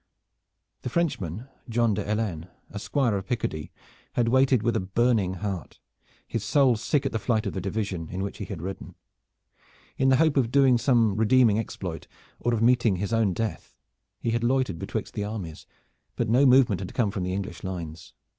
The Frenchman, John de Helennes, a squire of Picardy, had waited with a burning heart, his soul sick at the flight of the division in which he had ridden. In the hope of doing some redeeming exploit, or of meeting his own death, he had loitered betwixt the armies, but no movement had come from the English lines.